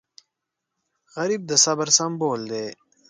غریب د صبر سمبول دی